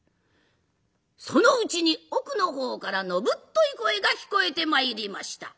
そのうちに奥の方からのぶっとい声が聞こえてまいりました。